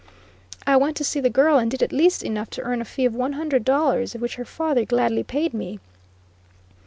I went to see the girl and did at least enough to earn a fee of one hundred dollars, which her father gladly paid me.